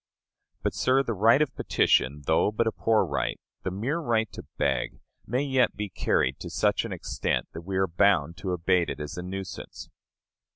But, sir, the right of petition, though but a poor right the mere right to beg may yet be carried to such an extent that we are bound to abate it as a nuisance.